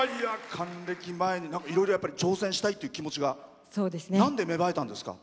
還暦前にいろいろ挑戦したいっていう気持ちがなんで芽生えたんですか？